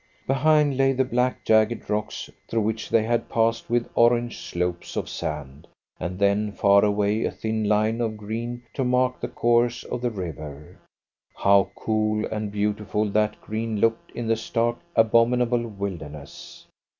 Behind lay the black jagged rocks through which they had passed with orange slopes of sand, and then far away a thin line of green to mark the course of the river. How cool and beautiful that green looked in the stark, abominable wilderness!